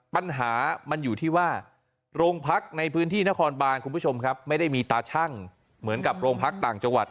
ปัญหามันอยู่ที่ว่าโรงพักในพื้นที่นครบานคุณผู้ชมครับไม่ได้มีตาชั่งเหมือนกับโรงพักต่างจังหวัด